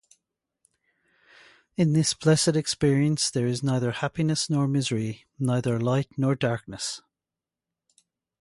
In this blessed experience there is neither happiness nor misery, neither light nor darkness.